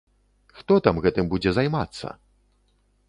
Хто там гэтым будзе займацца?!